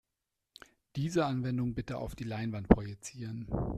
Diese Anwendung bitte auf die Leinwand projizieren.